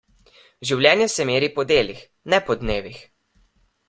Življenje se meri po delih, ne po dnevih.